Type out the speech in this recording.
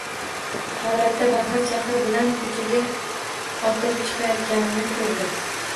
Holatda baqir-chaqir bilan ko‘chaga otilib chiqayotganini ko‘rdi.